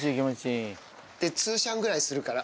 ツーシャンぐらいするから。